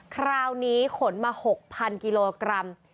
คราวนี้ขนมา๖๐๐กิโลกรัม